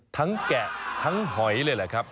ทั้งแกะทั้งหอยเลยเหรอครับ